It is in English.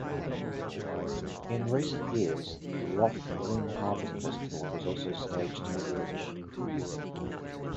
In recent years the Lough Rynn Harvest Festival was also staged in the village.